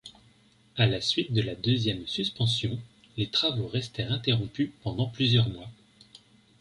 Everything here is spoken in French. À la suite de la deuxième suspension, les travaux restèrent interrompus pendant plusieurs mois.